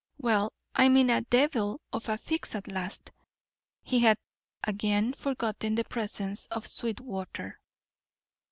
Well, I'm in a devil of a fix at last." He had again forgotten the presence of Sweetwater.